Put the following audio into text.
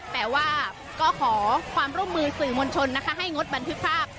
แต่ว่าก็ขอความร่วมมือสื่อมวลชนนะคะให้งดบันทึกภาพ